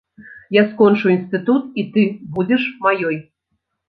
Я скончу інстытут, і ты будзеш маёй.